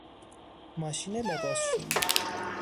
ماشین لباسشویی